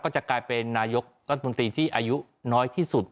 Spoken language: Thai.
จะกลายเป็นนายกรัฐมนตรีที่อายุน้อยที่สุด